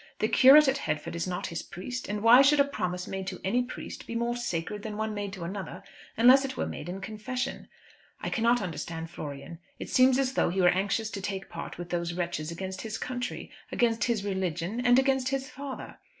The curate at Headford is not his priest, and why should a promise made to any priest be more sacred than one made to another, unless it were made in confession? I cannot understand Florian. It seems as though he were anxious to take part with these wretches against his country, against his religion, and against his father.